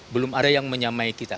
belum ada yang menyamai kita